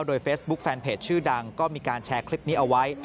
โดยเฟซบุ๊คแฟนเพจชื่อดังก็มีการแชร์คลิปนี้เอาไว้